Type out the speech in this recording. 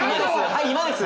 はい今です。